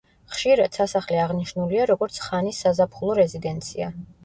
ხშირად, სასახლე აღნიშნულია, როგორც ხანის საზაფხულო რეზიდენცია.